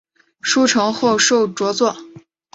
书成后升授着作。